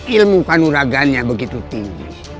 ilmu kanuragannya begitu tinggi